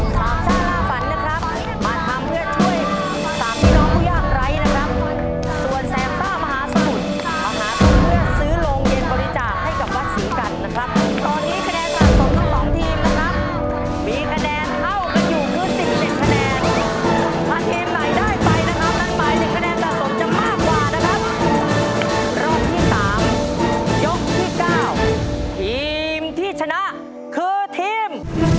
รอบที่๓ยกที่๙ทีมที่ชนะคือทีม